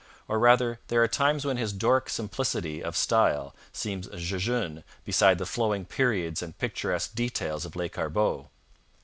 Or rather, there are times when his Doric simplicity of style seems jejune beside the flowing periods and picturesque details of Lescarbot.